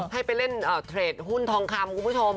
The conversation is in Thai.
ให้ไปเล่นเทรดหุ้นทองคำคุณผู้ชม